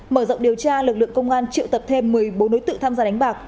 mở rộng điều tra lực lượng công an triệu tập thêm một mươi bốn đối tượng tham gia đánh bạc